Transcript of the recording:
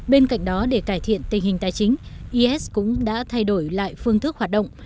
bên cạnh đó để cải thiện tình hình tài chính is cũng đã thay đổi lại phương thức hoạt động